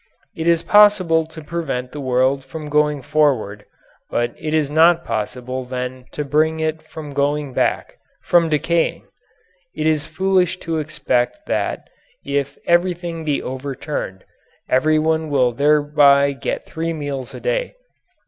It is possible to prevent the world from going forward, but it is not possible then to prevent it from going back from decaying. It is foolish to expect that, if everything be overturned, everyone will thereby get three meals a day.